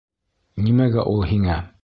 Нимәгә ул һиңә?